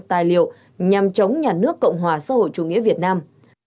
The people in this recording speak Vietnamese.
tài liệu nhằm chống nhà nước cộng hòa xã hội chủ nghĩa việt nam